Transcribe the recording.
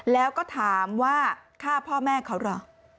แล้วก็ถามว่าฆ่าพ่อแม่เขาเหรอ